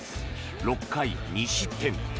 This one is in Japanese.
６回、２失点。